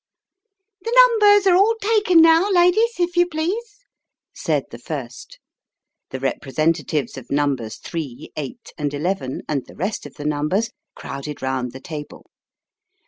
" The numbers are all taken now, ladies, if you please," said the first. The representatives of numbers three, eight, and eleven, and the rest of the numbers, crowded round the table.